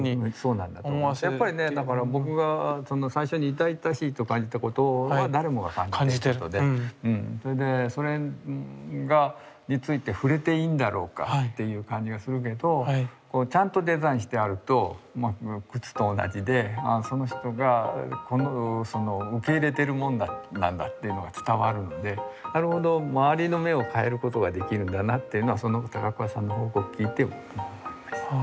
やっぱりね僕が最初に痛々しいと感じたことは誰もが感じていることでそれについて触れていいんだろうかっていう感じがするけどちゃんとデザインしてあると靴と同じでその人が受け入れてるもんなんだっていうのが伝わるんでなるほど周りの目を変えることができるんだなっていうのを高桑さんの報告を聞いて思いました。